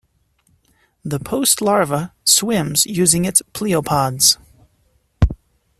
The post-larva swims using its pleopods.